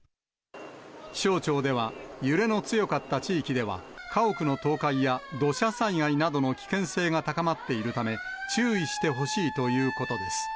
気象庁では、揺れの強かった地域では、家屋の倒壊や土砂災害などの危険性が高まっているため、注意してほしいということです。